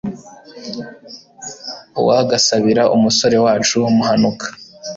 uwagasabira umusore wacu muhanuka